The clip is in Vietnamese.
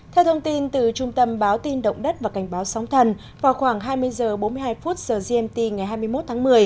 theo thông tin từ trung tâm báo tin động đất và cảnh báo sóng thần vào khoảng hai mươi h bốn mươi hai giờ gmt ngày hai mươi một tháng một mươi